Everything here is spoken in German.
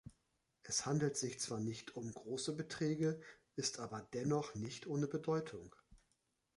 Es handelt sich zwar nicht um große Beträge, ist aber dennoch nicht ohne Bedeutung.